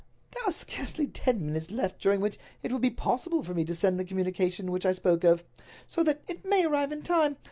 "There are scarcely ten minutes left during which it will be possible for me to send the communication which I spoke of, so that it may arrive in time.